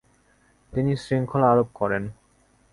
তিনি শৃঙ্খলা আরোপ করেন।